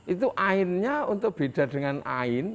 itu ainnya untuk beda dengan ain